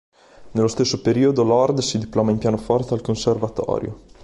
Nello stesso periodo Lord si diploma in pianoforte al conservatorio.